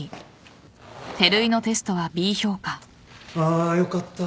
あよかった。